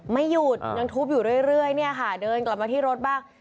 ไม่หยุดยังทุบอยู่เรื่อยเนี่ยค่ะเดินกลับมาที่รถบ้าง